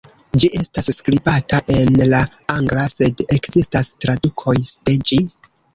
Ĝi estas skribata en la angla, sed ekzistas tradukoj de ĝi.